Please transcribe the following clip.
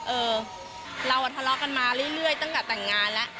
เออเราทะเลาะกันมาเรื่อยตั้งแต่แต่งงานแล้ว